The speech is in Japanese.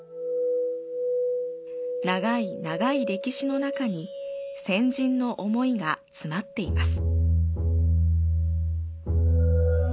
長い長い歴史の中に先人の思いが詰まっています。